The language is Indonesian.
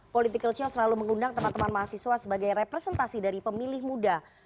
political show selalu mengundang teman teman mahasiswa sebagai representasi dari pemilih muda